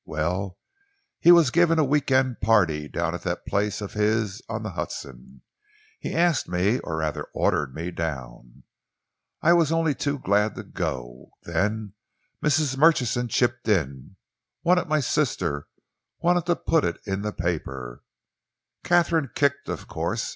Well, he was giving a week end party down at that place of his on the Hudson. He asked me, or rather he ordered me down. I was only too glad to go. Then Mrs. Murchison chipped in wanted my sister, wanted to put it in the paper. Katharine kicked, of course.